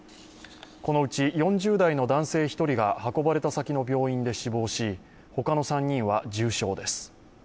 このうち４０代の男性１人が運ばれた先の病院で死亡し、他の３人は重傷です。